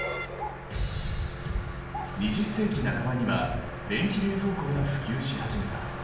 ２０世紀半ばには電気冷蔵庫が普及し始めた。